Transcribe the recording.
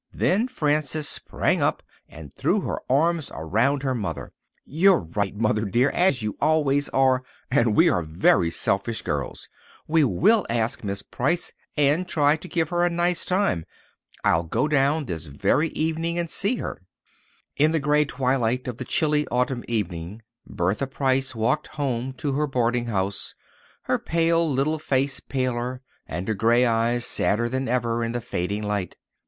Then Frances sprang up and threw her arms around her mother. "You're right, Mother dear, as you always are, and we are very selfish girls. We will ask Miss Price and try to give her a nice time. I'll go down this very evening and see her." In the grey twilight of the chilly autumn evening Bertha Price walked home to her boarding house, her pale little face paler, and her grey eyes sadder than ever, in the fading light.